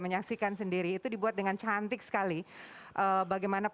jangan lupa untuk berikan duit kepada tuhan